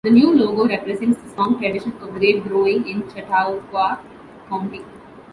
The new logo represents the strong tradition of grape-growing in Chautauqua County.